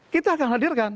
kita akan hadirkan